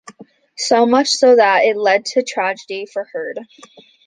So much so that it led to tragedy for Heard.